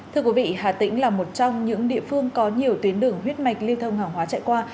thưa quý vị hà tĩnh là một trong những địa phương có nhiều tuyến đường huyết mạch lưu thông hàng hóa chạy qua